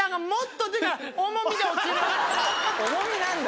重みなんだ。